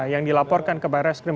yang dilaporkan ke barat extreme